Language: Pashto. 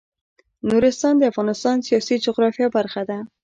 نورستان د افغانستان د سیاسي جغرافیه برخه ده.